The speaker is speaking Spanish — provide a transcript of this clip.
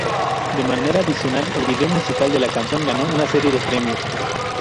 De manera adicional, el video musical de la canción ganó una serie de premios.